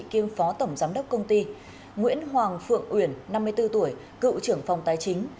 kiêm phó tổng giám đốc công ty nguyễn hoàng phượng uyển năm mươi bốn tuổi cựu trưởng phòng tài chính